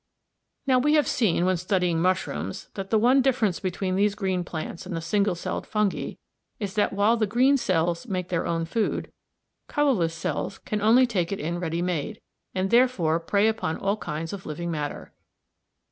Now we have seen, when studying mushrooms, that the one difference between these green plants and the single celled Fungi is that while the green cells make their own food, colourless cells can only take it in ready made, and therefore prey upon all kinds of living matter.